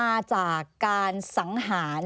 อันดับสุดท้าย